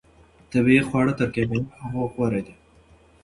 طبیعي خواړه تر کیمیاوي هغو غوره دي.